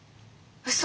うそ！